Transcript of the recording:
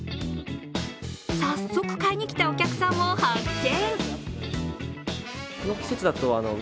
早速、買いに来たお客さんを発見。